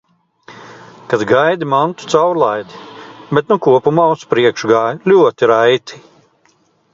Kad gaidi mantu caurlaidi, bet nu kopumā uz priekšu gāja ļoti raiti.